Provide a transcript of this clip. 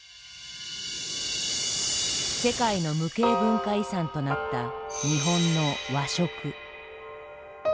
世界の無形文化遺産となった日本の「和食」。